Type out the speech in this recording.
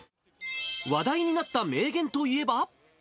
話題になった名言といえば。